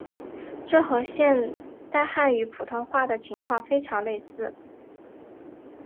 这和现代汉语普通话的情况非常类似。